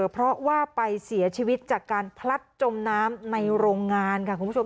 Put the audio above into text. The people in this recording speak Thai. เพราะว่าไปเสียชีวิตจากการพลัดจมน้ำในโรงงานค่ะคุณผู้ชม